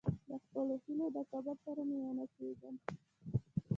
د خپلو هیلو د قبر سره مې ونڅیږم.